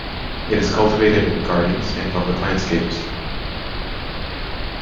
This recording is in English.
It is cultivated in gardens and public landscapes.